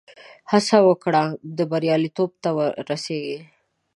هڅه وکړه، بریالیتوب ته رسېږې.